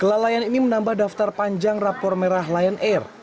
kelalaian ini menambah daftar panjang rapor merah lion air